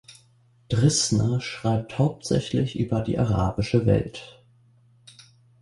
Drißner schreibt hauptsächlich über die arabische Welt.